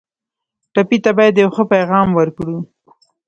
ټپي ته باید یو ښه پیغام ورکړو.